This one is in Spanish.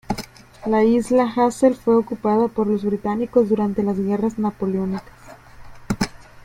La isla Hassel fue ocupada por los británicos durante las Guerras Napoleónicas.